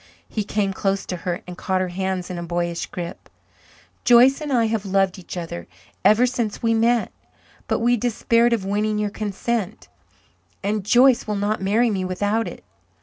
He came close to her and caught her hands in a boyish grip. "Joyce and I have loved each other ever since we met. But we despaired of winning your consent, and Joyce will not marry me without it.